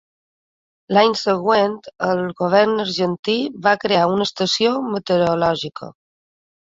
L'any següent el govern argentí va crear una estació meteorològica.